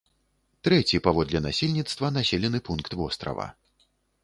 Трэці паводле насельніцтва населены пункт вострава.